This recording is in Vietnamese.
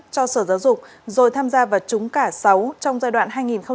cho sở giáo dục rồi tham gia và trúng cả sáu trong giai đoạn hai nghìn một mươi sáu hai nghìn một mươi chín